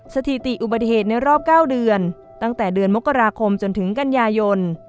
สถิติอุบัติเหตุในรอบ๙เดือนตั้งแต่เดือนมกราคมจนถึงกันยายน